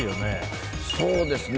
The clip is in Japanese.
そうですね。